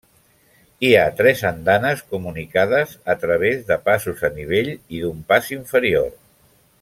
Hi ha tres andanes comunicades a través de passos a nivell i d'un pas inferior.